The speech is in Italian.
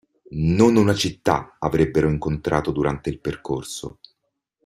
Non una città avrebbero incontrato durante il percorso.